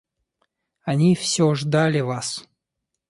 Они всё ждали вас.